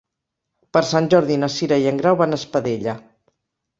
Per Sant Jordi na Cira i en Grau van a Espadella.